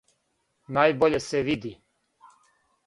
Најбоље се види.